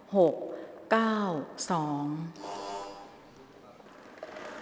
หมายเลข๑๗